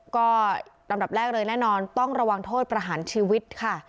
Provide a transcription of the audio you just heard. ก็ลำดับแรกเลยแน่นอนต้องระวังโทษประหารชีวิตค่ะ